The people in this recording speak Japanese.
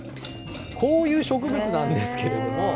こういう植物なんですけれども。